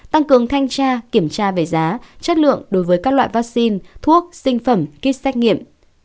tăng cường thanh tra kiểm tra về giá chất lượng đối với các loại vaccine thuốc sinh phẩm kit xét nghiệm